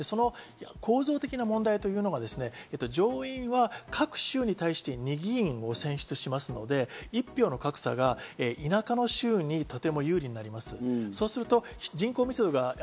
構造的な問題というのが上院は各州に対して２議員を選出しますので、１票の格差が田舎の州にとても有利になります。